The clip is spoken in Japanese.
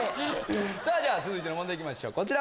さぁ続いての問題行きましょうこちら。